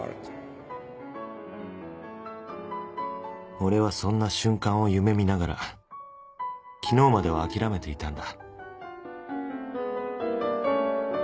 俺はそんな瞬間を夢見ながら昨日まではあきらめていたんだ